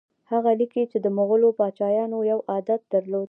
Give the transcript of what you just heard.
هغه لیکي چې د مغولو پاچایانو یو عادت درلود.